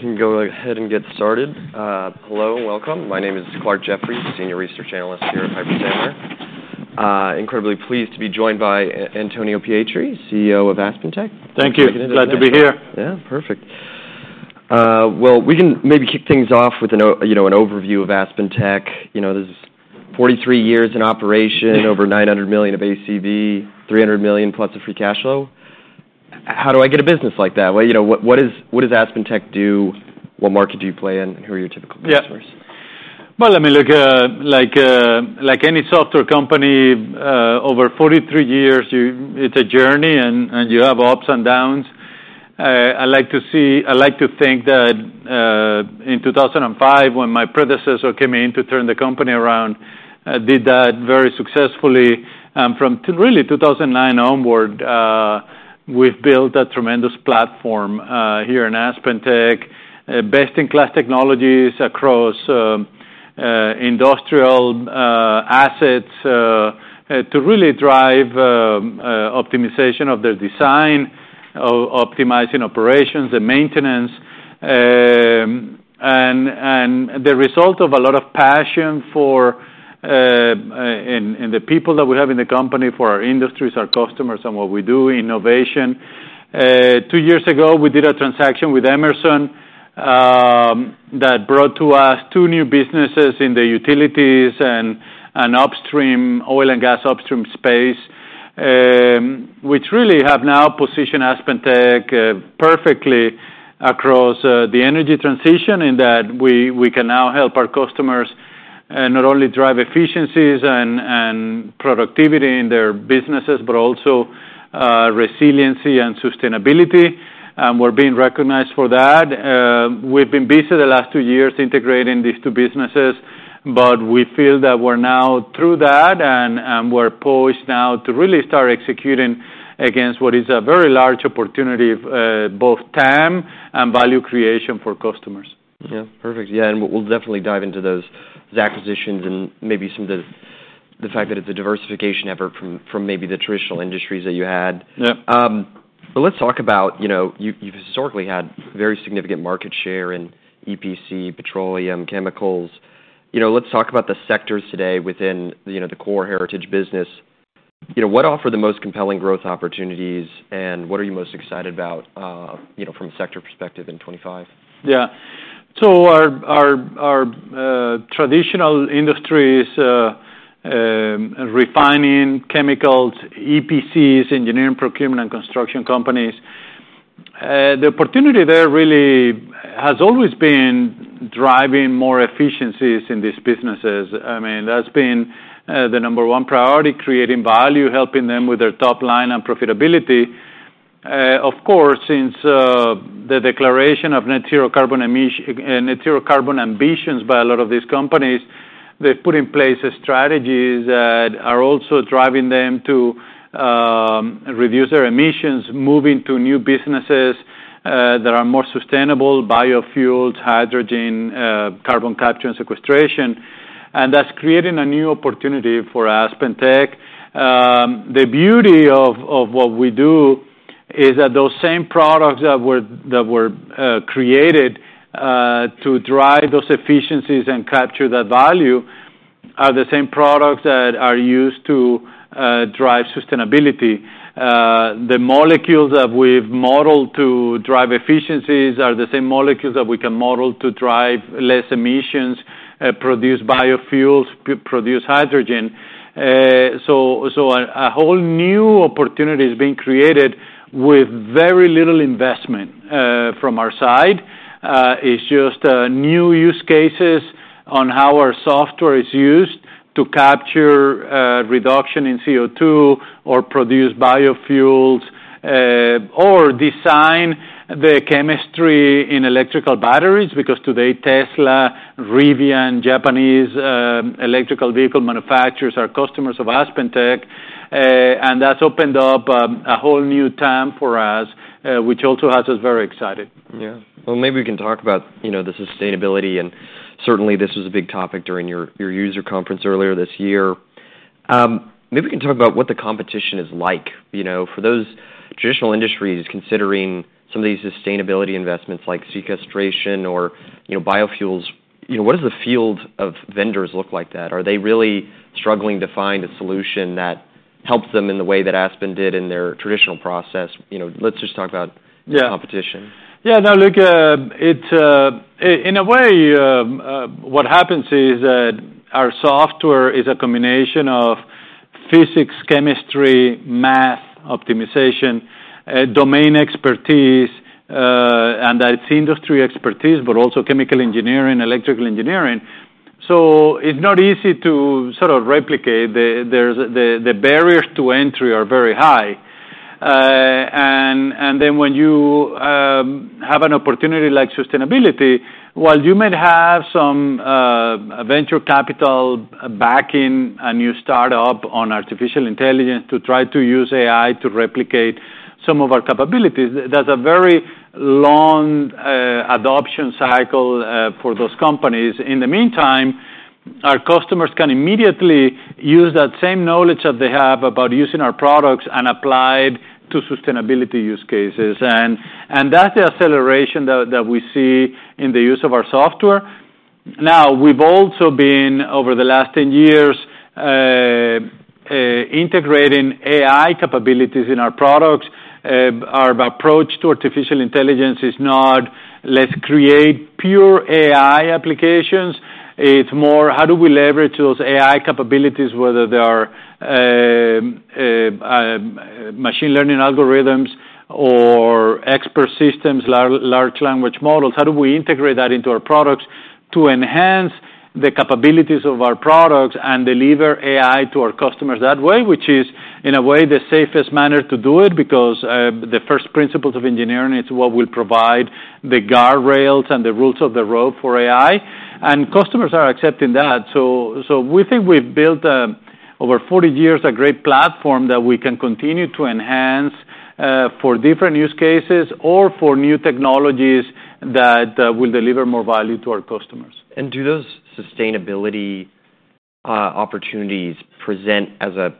All right, we can go ahead and get started. Hello, welcome. My name is Clarke Jeffries, Senior Research Analyst here at Piper Sandler. Incredibly pleased to be joined by Antonio Pietri, CEO of AspenTech. Thank you. Glad to be here. Yeah, perfect. Well, we can maybe kick things off with you know, an overview of AspenTech. You know, there's 43 years in operation, over $900 million of ACV, $300 million plus of free cash flow. How do I get a business like that? You know, what does AspenTech do? What market do you play in, and who are your typical customers? Yeah. Well, I mean, look, like any software company over forty-three years, it's a journey, and you have ups and downs. I like to think that in 2005, when my predecessor came in to turn the company around, did that very successfully. From really 2009 onward, we've built a tremendous platform here in AspenTech. Best-in-class technologies across industrial assets to really drive optimization of their design, optimizing operations and maintenance. And the result of a lot of passion for and the people that we have in the company, for our industries, our customers, and what we do, innovation. Two years ago, we did a transaction with Emerson that brought to us two new businesses in the utilities and upstream oil and gas upstream space, which really have now positioned AspenTech perfectly across the energy transition, in that we can now help our customers not only drive efficiencies and productivity in their businesses, but also resiliency and sustainability, and we're being recognized for that. We've been busy the last two years integrating these two businesses, but we feel that we're now through that, and we're poised now to really start executing against what is a very large opportunity both TAM and value creation for customers. Yeah, perfect. Yeah, and we'll definitely dive into those, the acquisitions and maybe some of the fact that it's a diversification effort from maybe the traditional industries that you had. Yeah. But let's talk about, you know, you've historically had very significant market share in EPC, petroleum, chemicals. You know, let's talk about the sectors today within, you know, the core heritage business. You know, what offer the most compelling growth opportunities, and what are you most excited about, you know, from a sector perspective in 2025? Yeah. So our traditional industries, refining, chemicals, EPCs, engineering, procurement, and construction companies, the opportunity there really has always been driving more efficiencies in these businesses. I mean, that's been the number one priority, creating value, helping them with their top line and profitability. Of course, since the declaration of net zero carbon ambitions by a lot of these companies, they've put in place strategies that are also driving them to reduce their emissions, moving to new businesses that are more sustainable, biofuels, hydrogen, carbon capture and sequestration, and that's creating a new opportunity for AspenTech. The beauty of what we do is that those same products that were created to drive those efficiencies and capture that value are the same products that are used to drive sustainability. The molecules that we've modeled to drive efficiencies are the same molecules that we can model to drive less emissions, produce biofuels, produce hydrogen, so a whole new opportunity is being created with very little investment from our side. It's just new use cases on how our software is used to capture reduction in CO2, or produce biofuels, or design the chemistry in electric batteries, because today, Tesla, Rivian, Japanese electric vehicle manufacturers, are customers of AspenTech, and that's opened up a whole new TAM for us, which also has us very excited. Yeah. Well, maybe we can talk about, you know, the sustainability, and certainly, this was a big topic during your user conference earlier this year. Maybe we can talk about what the competition is like. You know, for those traditional industries considering some of these sustainability investments, like sequestration or, you know, biofuels, you know, what does the field of vendors look like that? Are they really struggling to find a solution that helps them in the way that Aspen did in their traditional process? You know, let's just talk about- Yeah... the competition. Yeah, no, look, it in a way, what happens is that our software is a combination of physics, chemistry, math, optimization, domain expertise, and it's industry expertise, but also chemical engineering, electrical engineering. So it's not easy to sort of replicate. The barriers to entry are very high. And then when you have an opportunity like sustainability, while you might have some venture capital backing a new startup on artificial intelligence to try to use AI to replicate some of our capabilities, that's a very long adoption cycle for those companies. In the meantime, our customers can immediately use that same knowledge that they have about using our products and apply it to sustainability use cases, and that's the acceleration that we see in the use of our software. Now, we've also been, over the last 10 years, integrating AI capabilities in our products. Our approach to artificial intelligence is not, "Let's create pure AI applications," it's more, how do we leverage those AI capabilities, whether they are, machine learning algorithms or expert systems, large language models? How do we integrate that into our products to enhance the capabilities of our products and deliver AI to our customers that way? Which is, in a way, the safest manner to do it, because, the first principles of engineering, it's what will provide the guardrails and the rules of the road for AI, and customers are accepting that. We think we've built, over 40 years, a great platform that we can continue to enhance for different use cases or for new technologies that will deliver more value to our customers. Do those sustainability opportunities present as a,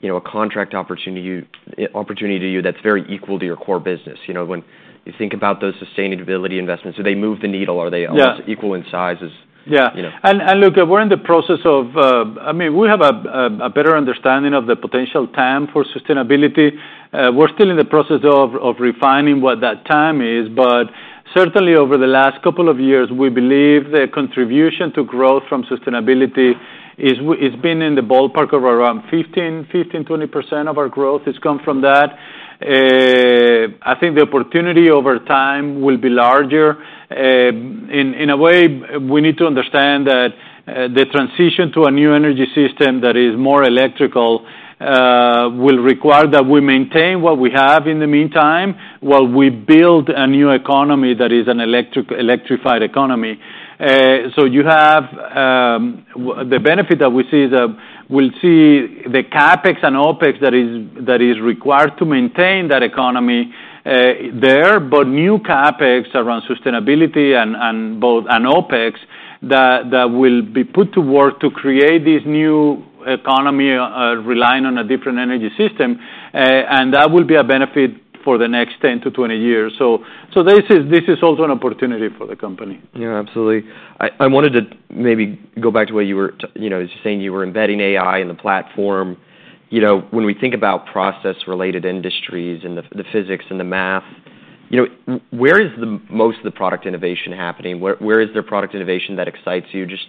you know, a contract opportunity to you that's very equal to your core business? You know, when you think about those sustainability investments, do they move the needle? Are they- Yeah... almost equal in size as, you know? Yeah. And look, we're in the process of. I mean, we have a better understanding of the potential TAM for sustainability. We're still in the process of refining what that TAM is, but certainly over the last couple of years, we believe the contribution to growth from sustainability is it's been in the ballpark of around 15%-20% of our growth has come from that. I think the opportunity over time will be larger. In a way, we need to understand that the transition to a new energy system that is more electrical will require that we maintain what we have in the meantime, while we build a new economy that is an electrified economy. So you have the benefit that we see is that we'll see the CapEx and OpEx that is required to maintain that economy there, but new CapEx around sustainability and both. And OpEx that will be put to work to create this new economy relying on a different energy system, and that will be a benefit for the next 10 to 20 years. This is also an opportunity for the company. Yeah, absolutely. I wanted to maybe go back to where you were, you know, saying you were embedding AI in the platform. You know, when we think about process-related industries and the physics and the math, you know, where is the most of the product innovation happening? Where is there product innovation that excites you? Just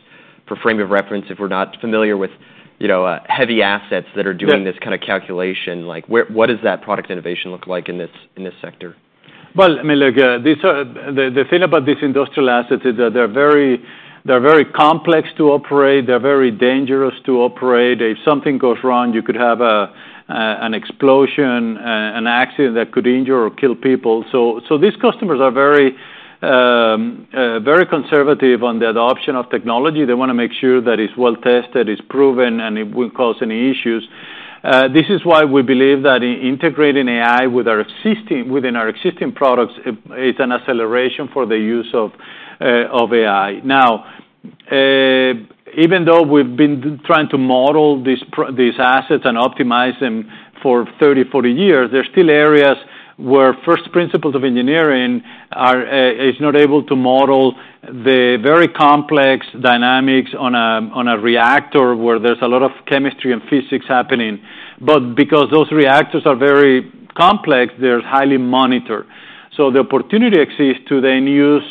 for frame of reference, if we're not familiar with, you know, heavy assets that are- Yeah... doing this kind of calculation, like, where- what does that product innovation look like in this, in this sector? The thing about these industrial assets is that they're very, they're very complex to operate, they're very dangerous to operate. If something goes wrong, you could have an explosion, an accident that could injure or kill people. So these customers are very, very conservative on the adoption of technology. They wanna make sure that it's well-tested, it's proven, and it won't cause any issues. This is why we believe that integrating AI within our existing products, it's an acceleration for the use of AI. Now, even though we've been trying to model these these assets and optimize them for 30, 40 years, there are still areas where first principles of engineering are, is not able to model the very complex dynamics on a reactor, where there's a lot of chemistry and physics happening. But because those reactors are very complex, they're highly monitored. So the opportunity exists to then use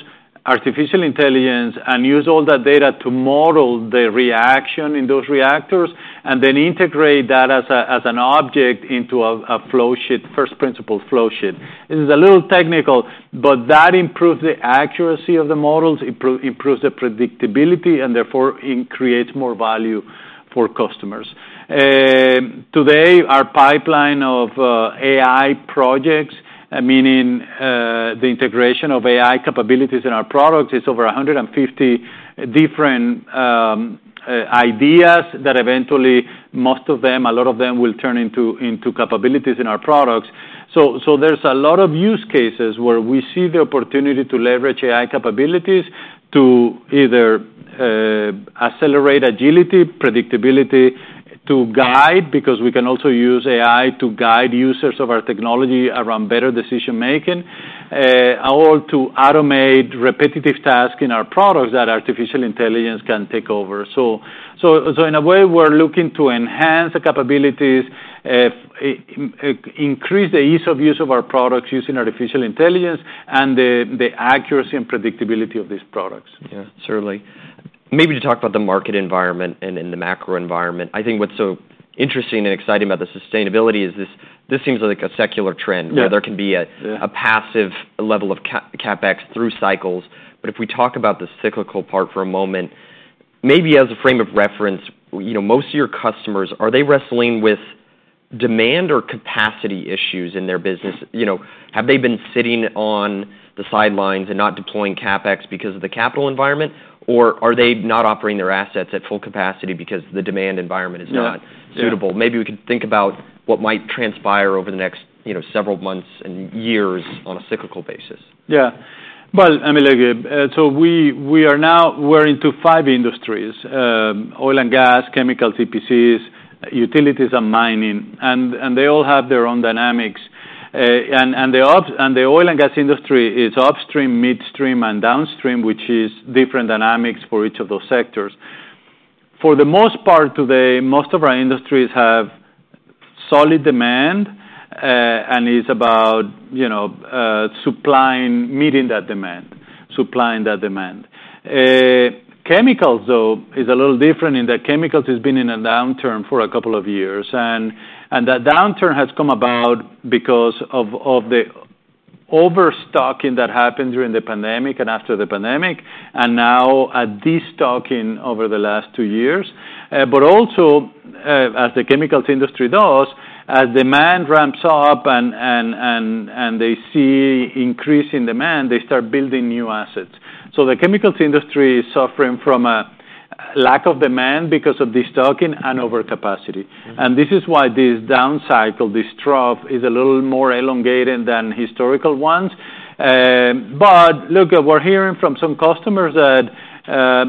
artificial intelligence and use all that data to model the reaction in those reactors, and then integrate that as an object into a flowsheet, first principle flowsheet. This is a little technical, but that improves the accuracy of the models, it improves the predictability, and therefore it creates more value for customers. Today, our pipeline of AI projects, meaning the integration of AI capabilities in our products, is over a hundred and fifty different ideas that eventually most of them, a lot of them, will turn into capabilities in our products. So in a way, we're looking to enhance the capabilities, increase the ease of use of our products using artificial intelligence, and the accuracy and predictability of these products. Yeah, certainly. Maybe to talk about the market environment and then the macro environment. I think what's so interesting and exciting about the sustainability is this, this seems like a secular trend. Yeah... where there can be Yeah... a passive level of CapEx through cycles. But if we talk about the cyclical part for a moment, maybe as a frame of reference, you know, most of your customers, are they wrestling with demand or capacity issues in their business? You know, have they been sitting on the sidelines and not deploying CapEx because of the capital environment, or are they not operating their assets at full capacity because the demand environment is not- Yeah... suitable? Maybe we can think about what might transpire over the next, you know, several months and years on a cyclical basis. Yeah. Well, I mean, look, so we are now into five industries: Oil and Gas, Chemicals, EPCs, Utilities, and Mining, and they all have their own dynamics. The oil and gas industry is upstream, midstream, and downstream, which is different dynamics for each of those sectors. For the most part today, most of our industries have solid demand, and it's about, you know, supplying, meeting that demand, supplying that demand. Chemicals, though, is a little different in that chemicals has been in a downturn for a couple of years. That downturn has come about because of the overstocking that happened during the pandemic and after the pandemic, and now a destocking over the last two years. But also, as the Chemicals industry does, as demand ramps up and they see increase in demand, they start building new assets, so the Chemicals industry is suffering from a lack of demand because of destocking and overcapacity, and this is why this downcycle, this trough, is a little more elongated than historical ones, but look, we're hearing from some customers that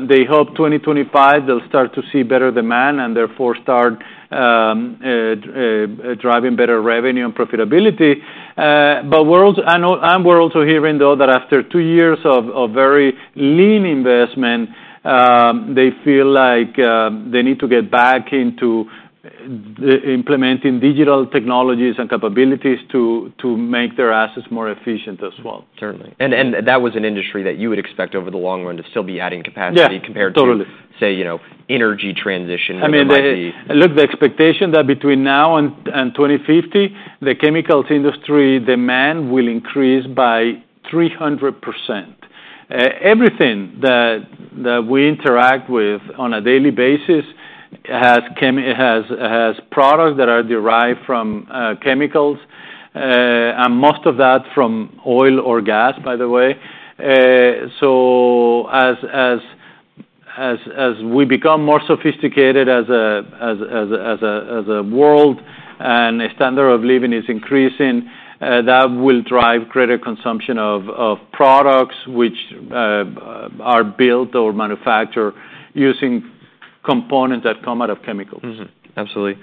they hope 2025 they'll start to see better demand and therefore start driving better revenue and profitability, but we're also hearing, though, that after two years of very lean investment, they feel like they need to get back into the implementing digital technologies and capabilities to make their assets more efficient as well. Certainly. And that was an industry that you would expect over the long run to still be adding capacity- Yeah, totally. Compared to, say, you know, energy transition that might be- I mean, look, the expectation that between now and 2050, the chemicals industry demand will increase by 300%. Everything that we interact with on a daily basis has products that are derived from chemicals, and most of that from oil or gas, by the way. So as we become more sophisticated as a world, and the standard of living is increasing, that will drive greater consumption of products which are built or manufactured using components that come out of chemicals. Mm-hmm. Absolutely.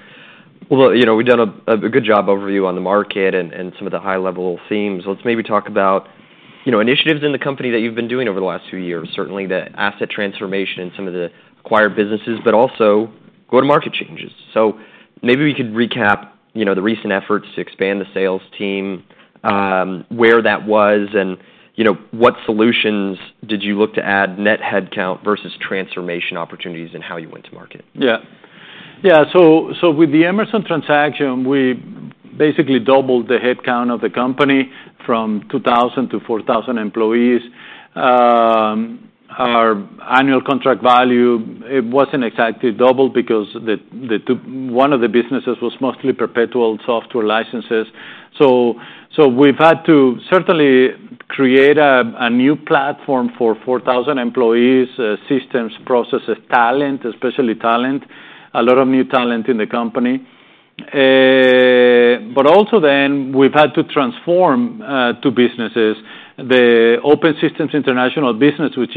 Well, you know, we've done a good job overview on the market and some of the high-level themes. Let's maybe talk about, you know, initiatives in the company that you've been doing over the last few years. Certainly, the asset transformation and some of the acquired businesses, but also go-to-market changes. So maybe we could recap, you know, the recent efforts to expand the sales team, where that was and, you know, what solutions did you look to add, net headcount versus transformation opportunities and how you went to market? Yeah. Yeah, so with the Emerson transaction, we basically doubled the headcount of the company from 2000-4000 employees. Our annual contract value, it wasn't exactly double because one of the businesses was mostly perpetual software licenses. So we've had to certainly create a new platform for 4000 employees, systems, processes, talent, especially talent. A lot of new talent in the company. But also then, we've had to transform two businesses. The Open Systems International business, which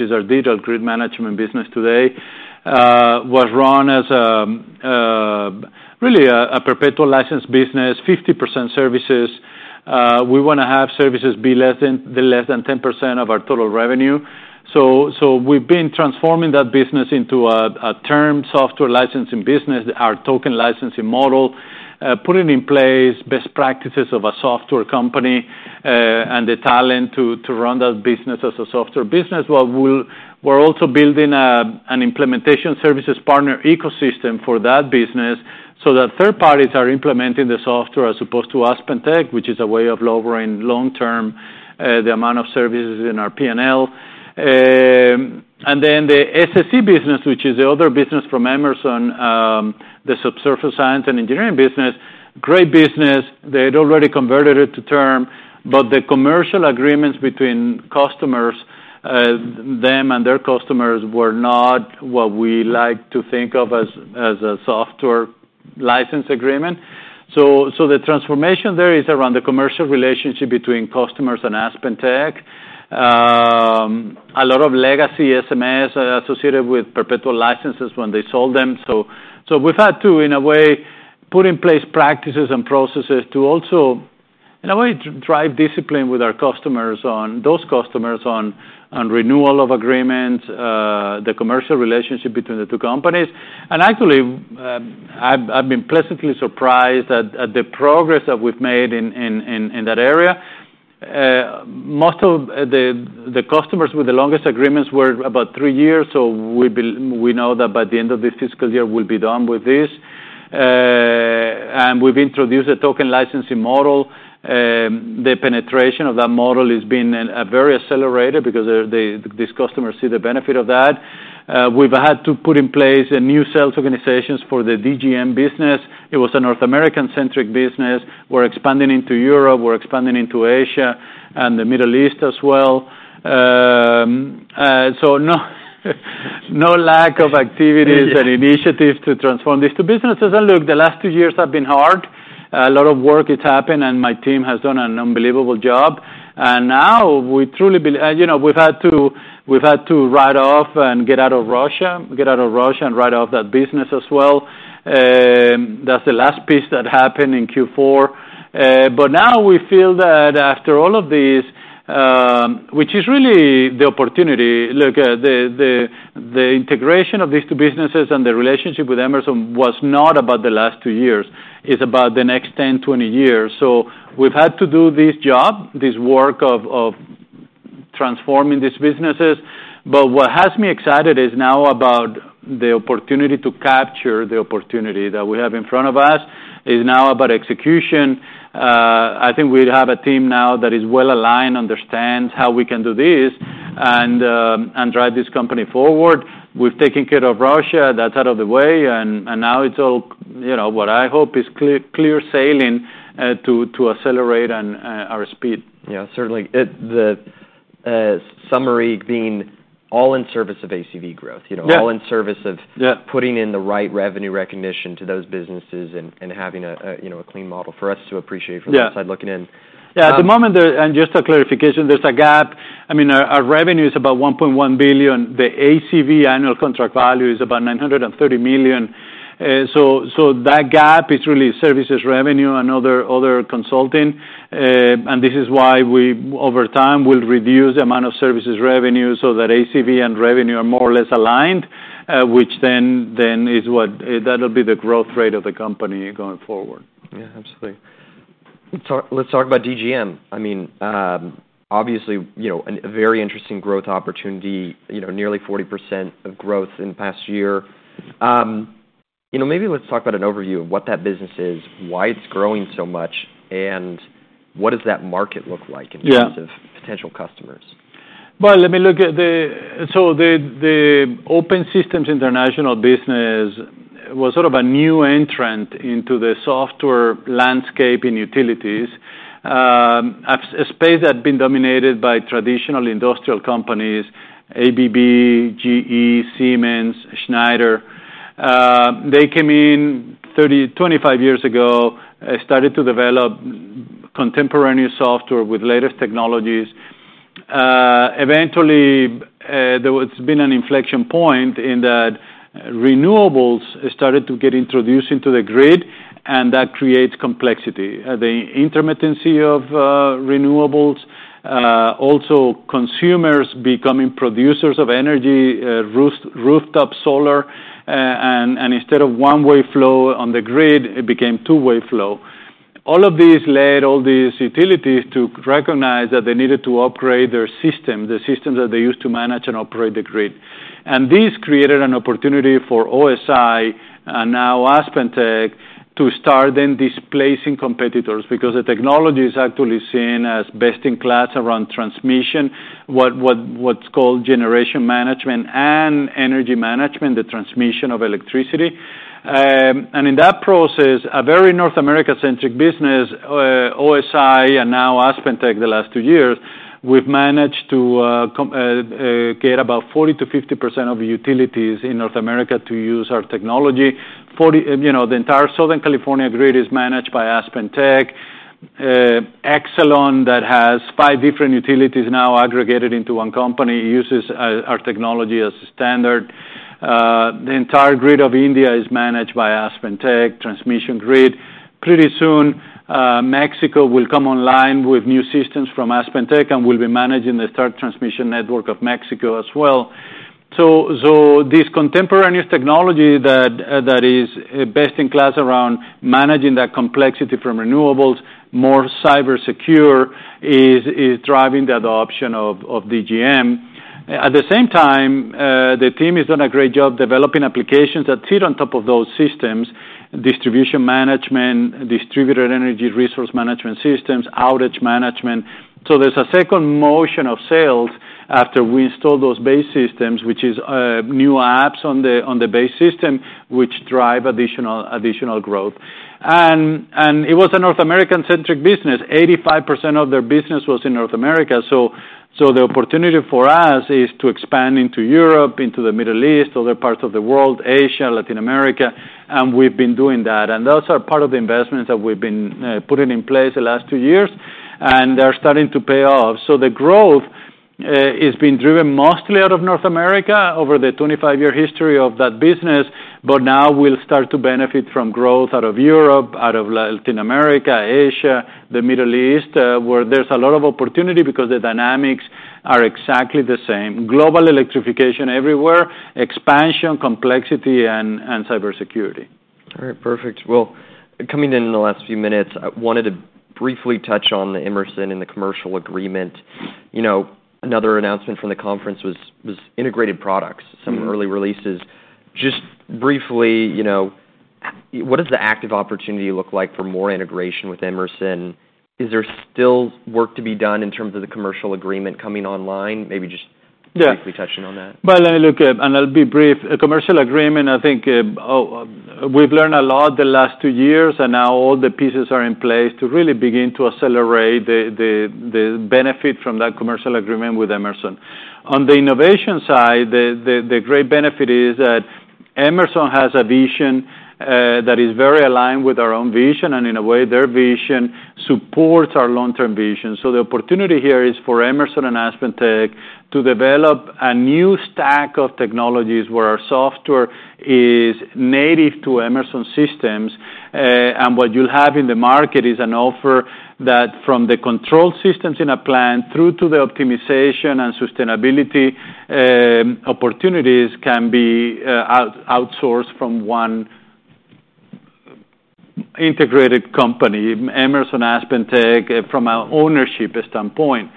is our Digital Grid Management business today, was run as really a perpetual license business, 50% services. We wanna have services be less than 10% of our total revenue. So we've been transforming that business into a term software licensing business, our token licensing model, putting in place best practices of a software company, and the talent to run that business as a software business. While we're also building an implementation services partner ecosystem for that business, so that third parties are implementing the software as opposed to AspenTech, which is a way of lowering long-term the amount of services in our P&L. And then the SSE business, which is the other business from Emerson, the Subsurface Science and Engineering business, great business. They had already converted it to term, but the commercial agreements between customers, them and their customers, were not what we like to think of as a software license agreement. So the transformation there is around the commercial relationship between customers and AspenTech. A lot of legacy SMS associated with perpetual licenses when they sold them. So we've had to, in a way, put in place practices and processes to also, in a way, to drive discipline with our customers on those customers on renewal of agreements, the commercial relationship between the two companies. And actually, I've been pleasantly surprised at the progress that we've made in that area. Most of the customers with the longest agreements were about three years, so we know that by the end of this fiscal year, we'll be done with this. And we've introduced a token licensing model. The penetration of that model has been very accelerated because these customers see the benefit of that. We've had to put in place a new sales organizations for the DGM business. It was a North American-centric business. We're expanding into Europe, we're expanding into Asia and the Middle East as well. So no lack of activities and initiatives to transform these two businesses, and look, the last two years have been hard. A lot of work, it's happened, and my team has done an unbelievable job, and now we truly, you know, we've had to, we've had to write off and get out of Russia, get out of Russia and write off that business as well. That's the last piece that happened in Q4. But now we feel that after all of these, which is really the opportunity, the integration of these two businesses and the relationship with Emerson was not about the last two years; it's about the next ten, twenty years. So we've had to do this job, this work of transforming these businesses. But what has me excited is now about the opportunity to capture the opportunity that we have in front of us; it's now about execution. I think we have a team now that is well aligned, understands how we can do this, and drive this company forward. We've taken care of Russia; that's out of the way, and now it's all, you know, what I hope is clear sailing to accelerate on our speed. Yeah, certainly. The summary being all in service of ACV growth, you know. Yeah. All in service of- Yeah... putting in the right revenue recognition to those businesses and having a you know a clean model for us to appreciate- Yeah From the outside looking in. Yeah, at the moment, and just a clarification, there's a gap. I mean, our revenue is about $1.1 billion. The ACV, annual contract value, is about $930 million. So that gap is really services revenue and other consulting. And this is why we, over time, will reduce the amount of services revenue so that ACV and revenue are more or less aligned, which then is what that'll be the growth rate of the company going forward. Yeah, absolutely. Let's talk, let's talk about DGM. I mean, obviously, you know, a very interesting growth opportunity, you know, nearly 40% of growth in the past year. You know, maybe let's talk about an overview of what that business is, why it's growing so much, and what does that market look like? Yeah In terms of potential customers? So the Open Systems International business was sort of a new entrant into the software landscape in utilities. A space that had been dominated by traditional industrial companies, ABB, GE, Siemens, Schneider. They came in 30, 25 years ago, started to develop contemporary new software with latest technologies. Eventually, there was been an inflection point in that renewables started to get introduced into the grid, and that creates complexity. The intermittency of renewables, also consumers becoming producers of energy, rooftop solar, and instead of one-way flow on the grid, it became two-way flow. All of these led all these utilities to recognize that they needed to operate their system, the system that they use to manage and operate the grid. This created an opportunity for OSI, and now AspenTech, to start then displacing competitors, because the technology is actually seen as best-in-class around transmission, what's called generation management and energy management, the transmission of electricity. In that process, a very North America-centric business, OSI, and now AspenTech, the last two years, we've managed to get about 40%-50% of the utilities in North America to use our technology. You know, the entire Southern California grid is managed by AspenTech. Exelon, that has five different utilities now aggregated into one company, uses our technology as a standard. The entire grid of India is managed by AspenTech, transmission grid. Pretty soon, Mexico will come online with new systems from AspenTech, and we'll be managing the third transmission network of Mexico as well. So this contemporaneous technology that is best-in-class around managing that complexity from renewables, more cyber secure, is driving the adoption of DGM. At the same time, the team has done a great job developing applications that sit on top of those systems: distribution management, distributed energy resource management systems, outage management. So there's a second motion of sales after we install those base systems, which is new apps on the base system, which drive additional growth. And it was a North American-centric business. 85% of their business was in North America, so the opportunity for us is to expand into Europe, into the Middle East, other parts of the world, Asia, Latin America, and we've been doing that. And those are part of the investments that we've been putting in place the last two years, and they're starting to pay off. So the growth is being driven mostly out of North America over the twenty-five-year history of that business, but now we'll start to benefit from growth out of Europe, out of Latin America, Asia, the Middle East, where there's a lot of opportunity because the dynamics are exactly the same: global electrification everywhere, expansion, complexity, and cybersecurity. All right. Perfect. Well, coming in in the last few minutes, I wanted to briefly touch on Emerson and the commercial agreement. You know, another announcement from the conference was integrated products- Mm-hmm Some early releases. Just briefly, you know, what does the active opportunity look like for more integration with Emerson? Is there still work to be done in terms of the commercial agreement coming online? Maybe just- Yeah... briefly touching on that. Let me look at, and I'll be brief. A commercial agreement, I think, we've learned a lot the last two years, and now all the pieces are in place to really begin to accelerate the benefit from that commercial agreement with Emerson. On the innovation side, the great benefit is that Emerson has a vision that is very aligned with our own vision, and in a way, their vision supports our long-term vision. The opportunity here is for Emerson and AspenTech to develop a new stack of technologies, where our software is native to Emerson systems. And what you'll have in the market is an offer that from the control systems in a plant through to the optimization and sustainability opportunities can be outsourced from one integrated company, Emerson, AspenTech, from an ownership standpoint.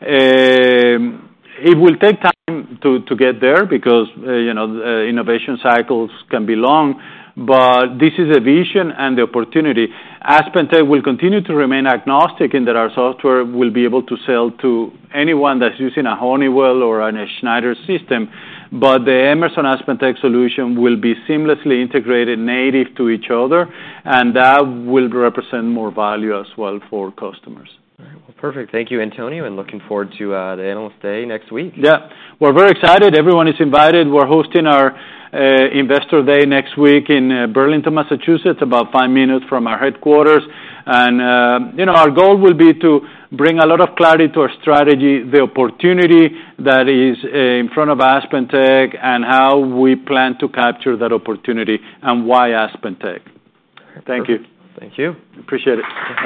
It will take time to get there because, you know, innovation cycles can be long, but this is a vision and the opportunity. AspenTech will continue to remain agnostic, in that our software will be able to sell to anyone that's using a Honeywell or a Schneider system, but the Emerson AspenTech solution will be seamlessly integrated native to each other, and that will represent more value as well for customers. All right. Well, perfect. Thank you, Antonio, and looking forward to the Investor Day next week. Yeah. We're very excited. Everyone is invited. We're hosting our Investor Day next week in Burlington, Massachusetts, about five minutes from our headquarters, and you know, our goal will be to bring a lot of clarity to our strategy, the opportunity that is in front of AspenTech, and how we plan to capture that opportunity, and why AspenTech. All right. Thank you. Thank you. Appreciate it.